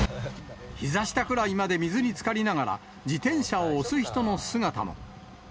ひざ下ぐらいまで水につかりながら、自転車を押す人の姿も。